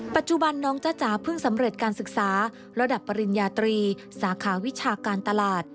ปัจจุบันน้องจ้าจ๋าเพิ่งสำเร็จการศึกษาระดับปริญญาตรีสาขาวิชาการตลาด